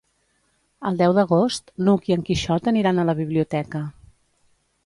El deu d'agost n'Hug i en Quixot aniran a la biblioteca.